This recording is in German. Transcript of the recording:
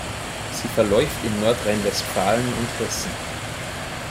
Sie verläuft in Nordrhein-Westfalen und Hessen.